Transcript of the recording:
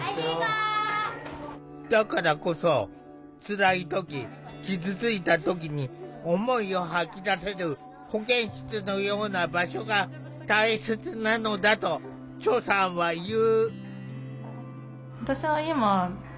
だからこそつらい時傷ついた時に思いを吐き出せる保健室のような場所が大切なのだとチョさんは言う。